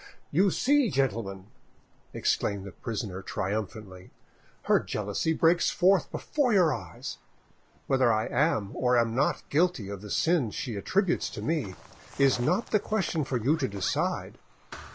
"You see, gentlemen," exclaimed the prisoner triumphantly, "her jealousy breaks forth before your eyes. Whether I am, or am not, guilty of the sin she attributes to me, is not the question for you to decide.